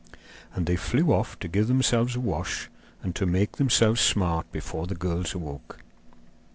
And they flew off to give themselves a wash, and to make themselves smart before the girls awoke.